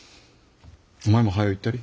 お前もはよ行ったり。